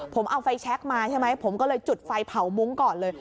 ผมเอาไฟแชคมาใช่ไหมผมก็เลยจุดไฟเผามุ้งก่อนเลย